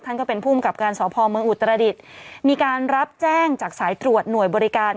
ก็เป็นภูมิกับการสพเมืองอุตรดิษฐ์มีการรับแจ้งจากสายตรวจหน่วยบริการ